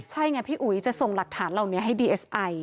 ใช่ไงพี่อุ๋ยจะส่งหลักฐานเหล่านี้ให้ดีเอสไอ